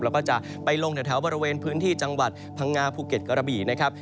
แล้วก็จะไปลงแถวบริเวณพื้นที่จังหวัดพังงาภูเก็ตกระบี่นะครับ